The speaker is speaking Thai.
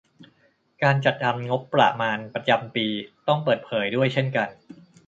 การจัดทำงบประมาณประจำปีต้องเปิดเผยด้วยเช่นกัน